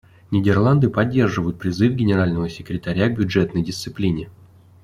Нидерланды поддерживают призыв Генерального секретаря к бюджетной дисциплине.